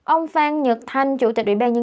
ông phan nhật thanh chủ tịch ubnd